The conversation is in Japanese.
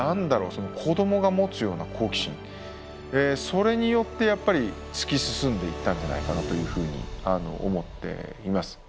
その子どもが持つような好奇心それによってやっぱり突き進んでいったんじゃないかなというふうに思っています。